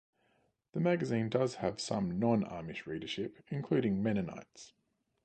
The magazine does have some non-Amish readership, including Mennonites.